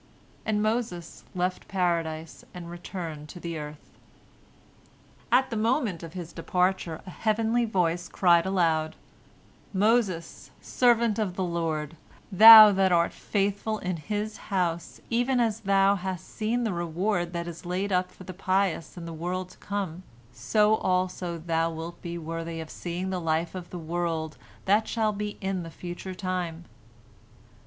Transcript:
And Moses left Paradise, and returned to the earth. At the moment of his departure, a heavenly voice cried aloud: "Moses, servant of the Lord, thou that art faithful in His house, even as thou hast seen the reward that is laid up for the pious in the world to come, so also thou wilt be worthy of seeing the life of the world that shall be in the future time.